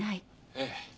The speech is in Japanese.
ええ。